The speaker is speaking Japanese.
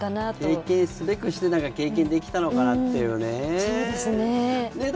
経験すべくして経験できたのかなとね。